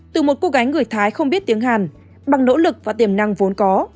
từ một cô gái người thái không biết tiếng hàn bằng nỗ lực và tiềm năng vốn có